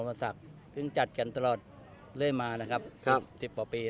สมบัติศักดิ์ที่จัดกันตลอดเรื่อยมา๑๐ปีแล้ว